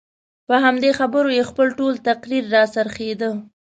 په همدې خبرو یې خپل ټول تقریر راڅرخېده.